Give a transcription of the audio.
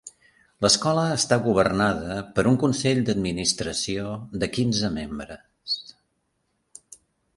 L'escola està governada per un consell d'administració de quinze membres.